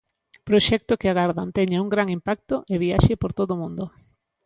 Proxecto que agardan teña un gran impacto e viaxe por todo o mundo.